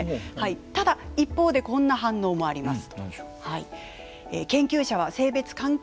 ただ一方でこんな反応もあります。